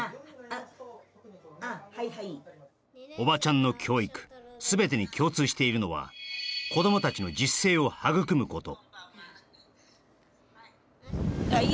あっはいはいおばちゃんの教育すべてに共通しているのは子ども達の自主性を育むこと